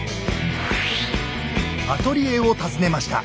アトリエを訪ねました。